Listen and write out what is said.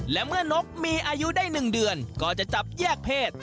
และเมื่อนกมีอายุได้๑เดือนก็จะจับแยกเพศ